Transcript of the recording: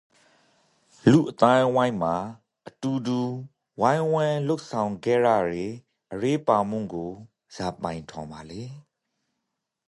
လူ့အသိုင်းအဝိုင်းမှာအတူတူဝိုင်းဝန်းလုပ်ဆောင်ကတ်ရရေအရေးပါမှုကိုဇာပိုင်ထင်ပါလေ